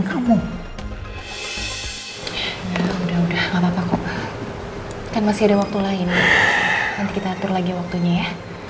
kamu udah udah nggak papa kok kan masih ada waktu lain nanti kita atur lagi waktunya ya